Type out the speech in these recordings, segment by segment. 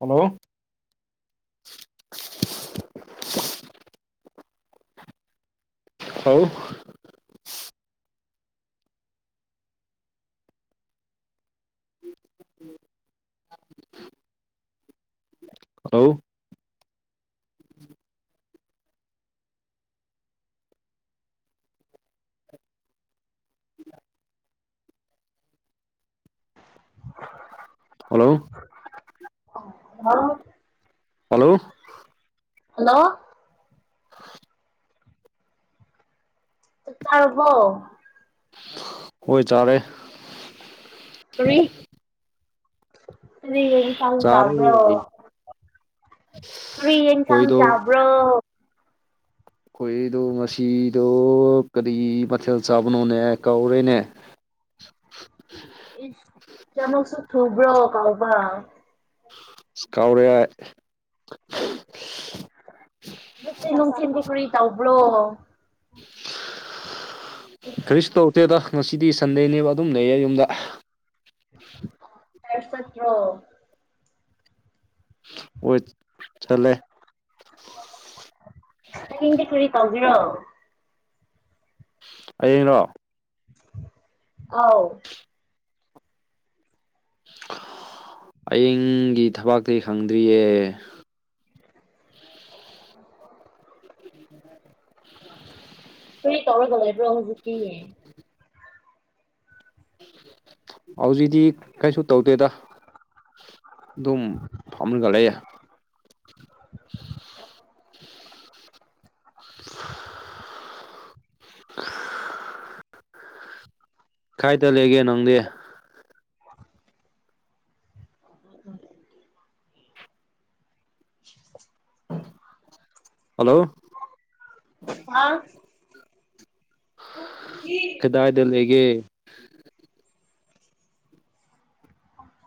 hello ꯍꯥꯎ ꯍꯥꯎ hello ꯍꯥꯎ ꯍꯜꯂꯣ ꯍꯜꯂꯣ ꯇꯥꯔꯕꯣ ꯍꯣꯏ ꯆꯥꯒ‌ꯦ ꯀꯔꯤ ꯀꯔꯤ ꯌꯦꯟꯁꯥꯡ‌ ꯆꯥꯔꯦ ꯆꯥꯕ꯭ꯔꯣ ꯑꯩꯈꯣꯏꯗꯣ ꯀꯔꯤ ꯌꯦꯟꯁꯥꯡ ꯆꯥꯕ꯭ꯔꯣ ꯑꯩꯈꯣꯏꯗꯣ ꯉꯁꯤꯗꯣ ꯀꯔꯤ ꯃꯊꯦꯜ ꯆꯥꯕꯅꯣꯅꯦ ꯀꯥꯎꯔꯦꯅꯦ ꯏꯁ ꯀꯌꯥꯃꯨꯛꯁꯨ ꯊꯨꯕ꯭ꯔꯣ ꯀꯥꯎꯕ ꯏꯁ ꯀꯥꯎꯔꯦ ꯍꯨꯖꯤꯛ ꯅꯨꯡꯊꯤꯟꯗꯤ ꯀ꯭ꯔꯤ ꯇꯧꯕ꯭ꯔꯣ ꯀꯔꯤꯁꯨ ꯇꯧꯗꯦꯗ ꯉꯁꯤꯗꯤ ꯁꯟꯗꯦꯅꯦꯕ ꯑꯗꯨꯝ ꯂꯩꯌꯦ ꯌꯨꯝꯗ ꯆ꯭ꯥꯔꯁ ꯆꯠꯇ꯭ꯔꫭ ꯑꯣꯏꯠ ꯆꯠꯂꯦ ꯍꯌꯦꯡꯗꯤ ꯀꯔꯤ ꯇꯧꯒꯦꯔꯣ ꯑꯩꯔꯣ ꯑꯥꯎ ꯍꯌꯦꯡꯒꯤ ꯊꯕꯥꯛꯇꯤ ꯈꯪꯗ꯭ꯔꯤꯌꯦ ꯎ [unintelligible] ꯀꯔꯤ ꯇꯧꯔꯒ ꯂꯩꯕ꯭ꯔꯣ ꯍꯧꯖꯤꯛꯇꯤ ꯍꯧꯖꯤꯛꯇꯤ ꯀꯩꯁꯨ ꯇꯧꯗꯦꯗ ꯑꯗꯨꯝ ꯐꯝꯒ ꯂꯩꯌꯦ [inaudible] ꯀꯥꯏꯗꯥ ꯂꯩꯒꯦ ꯅꯪꯗꯤ [unintelligible] ꯍꯜꯂꯣ ꯍꯥꯎ ꯀꯗꯥꯏꯗ ꯂꯩꯒꯦ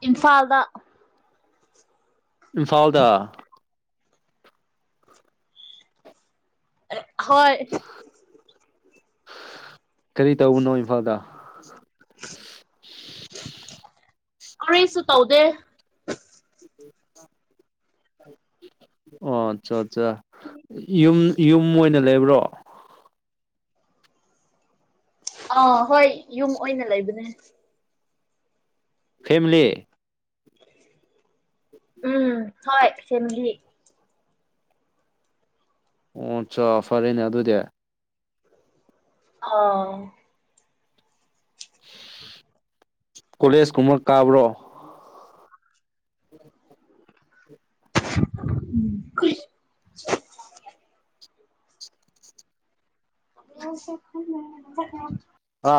ꯏꯝꯐꯥꯜꯗ ꯏꯝꯐꯥꯜꯗ ꯍꯣꯏ ꯀꯔꯤ ꯇꯧꯕꯅꯣ ꯏꯝꯐꯥꯜꯗ ꯀꯔꯤꯁꯨ ꯇꯧꯗꯦ ꯑꯣ ꯑꯠꯆꯥ ꯑꯠꯆꯥ ꯌꯨꯝ ꯌꯨꯝ ꯑꯣꯏꯅ ꯂꯩꯕ꯭ꯔꯣ ꯑꯥ ꯍꯣꯏ ꯌꯨꯝ ꯑꯣꯏꯅ ꯂꯩꯕꯅꯦ ꯐꯦꯃꯤꯂꯤ ꯎꯝ ꯍꯣꯏ ꯐꯦꯃꯤꯂꯤ ꯑꯣ ꯑꯠꯆꯥ ꯐꯔꯦꯅꯦ ꯑꯗꯨꯗꯤ ꯍꯥ ꯀꯣꯂꯦꯖ ꯀꯨꯝꯕ ꯀꯥꯕ꯭ꯔꯣ [unintelligible] [unintelligible] ꯍꯥ